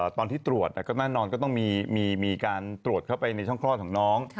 ตอนที่ตรวจก็แน่นอนก็ต้องมีการตรวจเข้าไปในช่องคลอดของน้อง